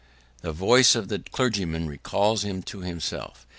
The voice of the clergyman recalls him to himself.